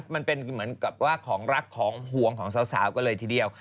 มันเป็นเหมือนกับอย่างว่าของรักของหวงของสาวก็เลยทีเดียว